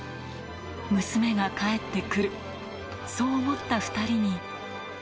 娘が帰ってくる、そう思った２人に。